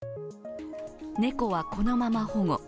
猫はこのまま保護。